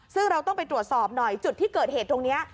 ซึ่งเราต้องไปตรวจสอบหน่อยจุดที่เกิดเหตุตรงนี้